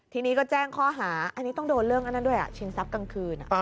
ทีนี้ก็แจ้งข้อหาอันนี้ต้องโดนเรื่องอันนั้นด้วยชิงทรัพย์กลางคืน